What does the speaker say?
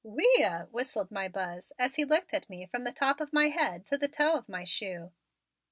"Whe ee uh!" whistled my Buzz as he looked at me from the top of my head to the toe of my shoe.